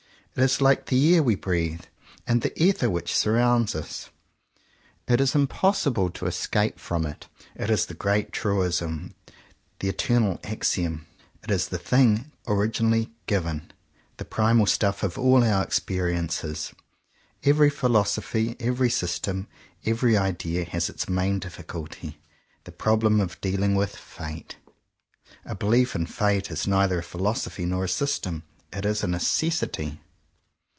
It is like the air we breathe and the ether that surrounds us. It is impossible to escape from it. It is the great Truism, the eternal Axiom. It is the thing originally "given," the primal stuff of all our experiences. Every phil osophy, every system, every idea, has, as its main difficulty, the problem of dealing with Fate. A belief in Fate is neither a philosophy nor a system; it is a necessity.